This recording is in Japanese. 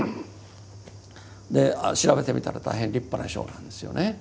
調べてみたら大変立派な賞なんですよね。